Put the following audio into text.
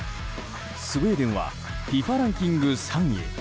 スウェーデンはＦＩＦＡランキング３位。